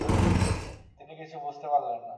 তিনি কিছু বুঝতে পারলেন না।